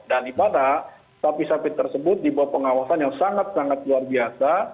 dan ibarat sapi sapi tersebut dibuat pengawasan yang sangat sangat luar biasa